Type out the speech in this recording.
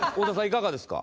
いかがですか？